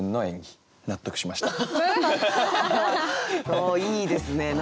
おおいいですね。